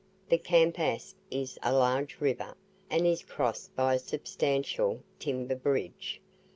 The Campaspe is a large river, and is crossed by a substantial timber bridge.